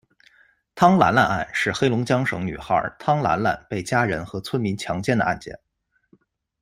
汤兰兰案是黑龙江省女孩汤兰兰被家人和村民强奸的案件。